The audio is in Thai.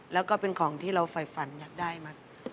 แล้วก็เป็นของที่เราไฟฝันอยากได้มั้ง